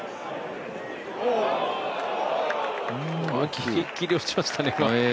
ぎりぎり落ちましたね。